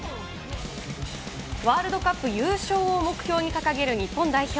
ワールドカップ優勝を目標に掲げる日本代表。